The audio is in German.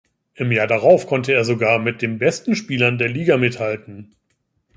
Im Jahr darauf konnte er sogar mit den besten Spielern der Liga mithalten.